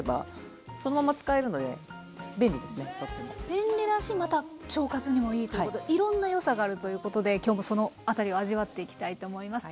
便利だしまた腸活にもいいということでいろんな良さがあるということで今日もその辺りを味わっていきたいと思います。